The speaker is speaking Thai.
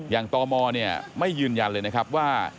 ตมไม่ยืนยันเลยนะครับว่า